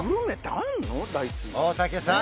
大竹さん